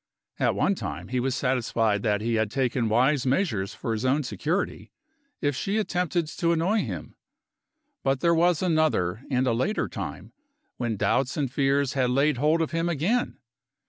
At one time, he was satisfied that he had taken wise measures for his own security, if she attempted to annoy him. But there was another and a later time, when doubts and fears had laid hold of him again.